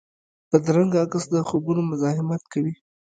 بدرنګه عکس د خوبونو مزاحمت کوي